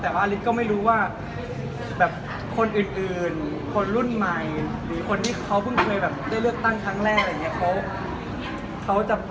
แต่ว่าฤทธิ์ก็ไม่รู้ว่าคนอื่นคนรุ่นใหม่หรือคนที่เขาเพิ่งเคยได้เลือกตั้งครั้งแรก